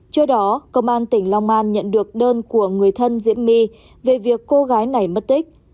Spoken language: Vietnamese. trước đó công an tỉnh long an nhận được đơn của người thân diễm my về việc cô gái này mất tích